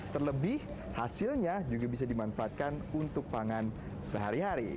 terlebih hasilnya juga bisa dimanfaatkan untuk pangan sehari hari